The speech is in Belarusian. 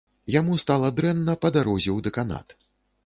Яму стала дрэнна па дарозе ў дэканат.